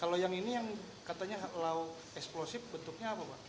kalau yang ini yang katanya lau eksplosif bentuknya apa pak